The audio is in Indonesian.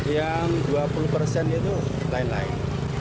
yang dua puluh persen itu lain lain